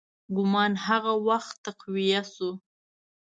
ګومان هغه وخت تقویه شو.